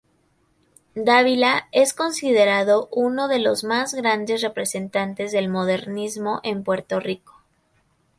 Dávila, es considerado uno de los más grandes representantes del modernismo en Puerto Rico.